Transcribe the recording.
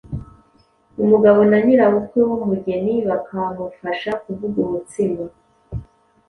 Umugabo na nyirabukwe w’umugeni bakamufasha kuvuga umutsima,